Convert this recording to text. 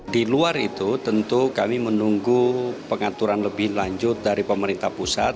di luar itu tentu kami menunggu pengaturan lebih lanjut dari pemerintah pusat